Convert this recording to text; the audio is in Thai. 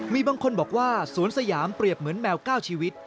มีบางคนบอกว่าสวนสยามเปรียบเหมือนแมว๙ชีวิต